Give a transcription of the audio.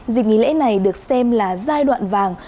dịp nghỉ lễ này được xem là giai đoạn vàng